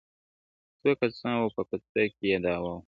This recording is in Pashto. څو كسان وه په كوڅه كي يې دعوه وه -